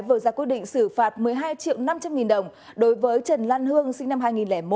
vừa ra quyết định xử phạt một mươi hai triệu năm trăm linh nghìn đồng đối với trần lan hương sinh năm hai nghìn một